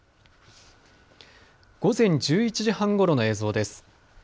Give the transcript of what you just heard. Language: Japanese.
午前１１時半ごろの映像です。